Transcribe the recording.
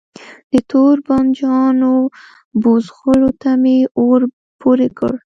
د توربانجانو بوزغلو ته می اور پوری کړ